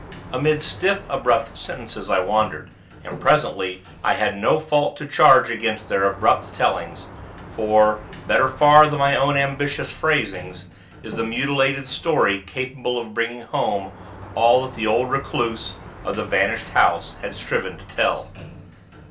Amid stiff, abrupt sentences I wandered; and, presently, I had no fault to charge against their abrupt tellings; for, better far than my own ambitious phrasing, is this mutilated story capable of bringing home all that the old Recluse, of the vanished house, had striven to tell.